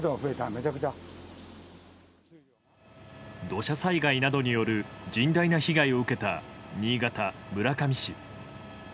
土砂災害などによる甚大な被害を受けた新潟・村上市。